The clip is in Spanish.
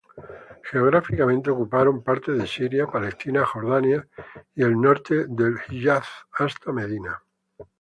Geográficamente ocuparon parte de Siria, Palestina, Jordania y el norte del Hiyaz hasta Medina.